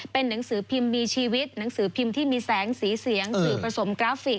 เป็นหนังสือพิมพ์มีชีวิตหนังสือพิมพ์ที่มีแสงสีเสียงสื่อผสมกราฟิก